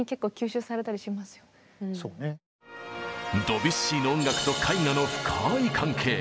ドビュッシーの音楽と絵画の深い関係。